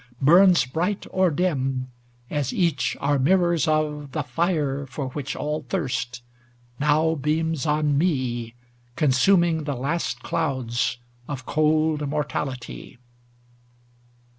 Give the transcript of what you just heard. Burns bright or dim, as each are mirrors of The fire for which all thirst, now beams on me. Consuming the last clouds of cold mortality.